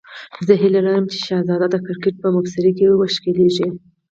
زه هیله لرم چې شهزاد د کرکټ په مبصرۍ کې وښکلېږي.